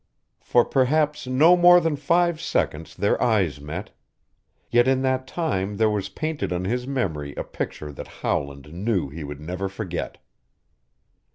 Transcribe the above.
For perhaps no more than five seconds their eyes met. Yet in that time there was painted on his memory a picture that Howland knew he would never forget.